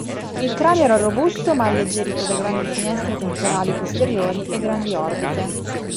Il cranio era robusto ma alleggerito da grandi finestre temporali posteriori e grandi orbite.